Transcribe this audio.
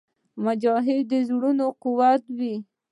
مجاهد د زړونو قوت وي.